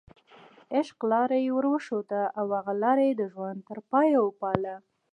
عشق یې لاره ورښوده او هغه لاره یې د ژوند تر پایه وپالله.